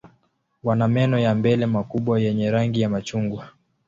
Wana meno ya mbele makubwa yenye rangi ya machungwa.